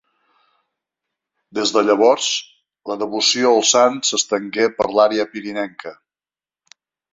Des de llavors, la devoció al sant s'estengué per l'àrea pirinenca.